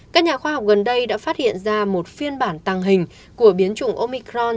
các nhà khoa học gần đây đã phát hiện ra một phiên bản tăng hình của biến chủng omicron